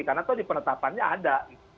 karena itu di penetapannya ada